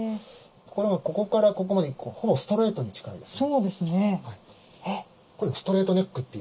ところがここからここまでほぼストレートに近いですね。